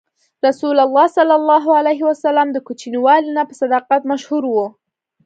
رسول الله ﷺ د کوچنیوالي نه په صداقت مشهور و.